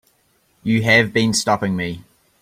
You have been stopping me.